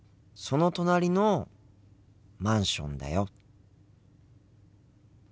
その隣のマンションだよ。